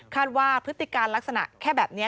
ว่าพฤติการลักษณะแค่แบบนี้